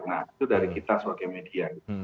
nah itu dari kita sebagai media